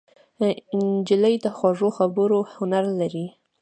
نجلۍ د خوږو خبرو هنر لري.